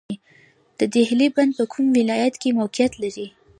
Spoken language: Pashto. د دهلې بند په کوم ولایت کې موقعیت لري؟